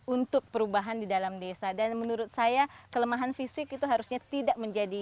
untuk perubahan di dalam desa dan menurut saya kelemahan fisik itu harusnya tidak menjadi